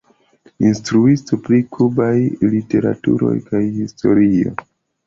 Instruisto pri kubaj literaturo kaj historio.